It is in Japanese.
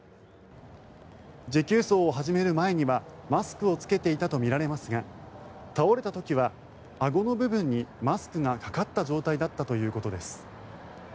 持久走を始める前にはマスクを着けていたとみられますが倒れた時は、あごの部分にマスクがかかった状態だったということです。